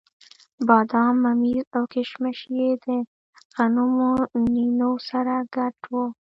بادام، ممیز او کېشمش یې د غنمو نینو سره ګډ وو.